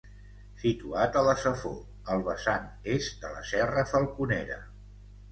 Situat a la Safor, al vessant est de la serra Falconera.